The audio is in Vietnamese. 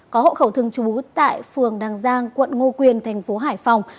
có hộ khẩu thường chú tại phường đàng giang quận ngô quyền tp hải phòng